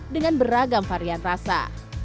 dengan beragam varian rasa